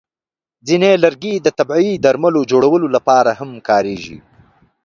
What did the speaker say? ځینې لرګي د طبیعي درملو جوړولو لپاره هم کارېږي.